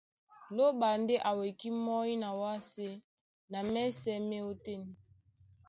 Lóɓa ndé a wekí mɔ́ny na wásē na mɛ́sɛ̄ má e ótên.